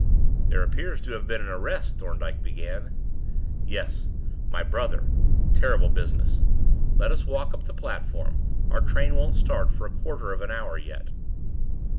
"There appears to have been an arrest," Thorndyke began. "Yes my brother. Terrible business. Let us walk up the platform; our train won't start for a quarter of an hour yet."